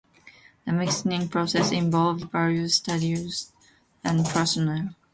The mixing process involved various studios and personnel.